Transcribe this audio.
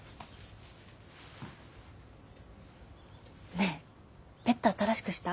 ねえベッド新しくした？